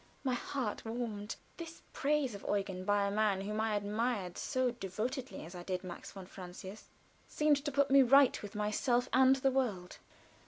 My heart warmed. This praise of Eugen by a man whom I admired so devotedly as I did Max von Francius seemed to put me right with myself and the world.